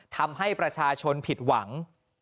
ทำให้ประชาชนผิดหวัง